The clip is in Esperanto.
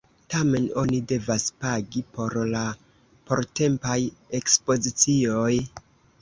Tamen oni devas pagi por la portempaj ekspozicioj.